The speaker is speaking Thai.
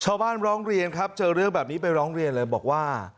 ร้องเรียนครับเจอเรื่องแบบนี้ไปร้องเรียนเลยบอกว่า